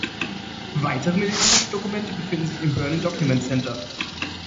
Weitere militärische Dokumente befinden sich im Berlin Document Center.